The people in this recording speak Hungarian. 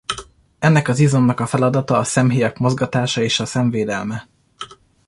Ennek az izomnak a feladata a szemhéjak mozgatása és a szem védelme.